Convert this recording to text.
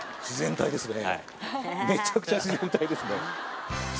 自然体ですね